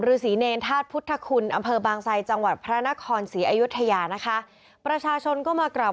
ฤษีเนรธาตุพุทธคุณอำเภอบางไซจังหวัดพระนครศรีอยุธยานะคะประชาชนก็มากราบ